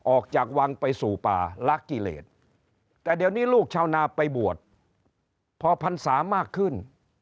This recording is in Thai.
ออกจากวังไปสู่ป่าลักกิเลสแต่เดี๋ยวนี้ลูกชาวนาไปบวชพอพรรษามากขึ้น